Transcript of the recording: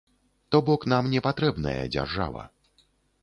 То бок нам не патрэбная дзяржава.